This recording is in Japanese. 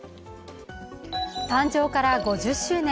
誕生から５０周年。